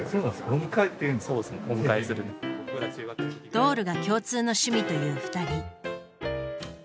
ドールが共通の趣味という２人。